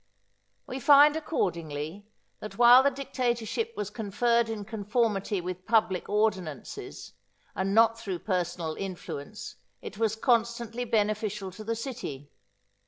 We find, accordingly, that while the dictatorship was conferred in conformity with public ordinances, and not through personal influence, it was constantly beneficial to the city.